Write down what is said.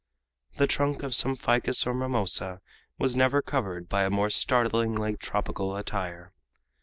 The trunk of some ficus or mimosa was never covered by a more startlingly tropical attire.